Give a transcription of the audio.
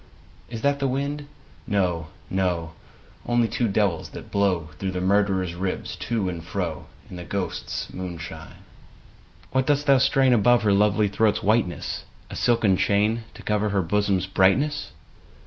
Is that the wind ? No, no ; Only two devils, that blow Through the murderer's ribs to and fro. In the ghosts' moi^ishine. THE GHOSTS* MOONSHINE, 39 III. What dost thou strain above her Lovely throat's whiteness ? A silken chain, to cover Her bosom's brightness